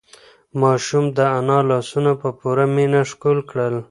ماشوم د انا لاسونه په پوره مینه ښکل کړل.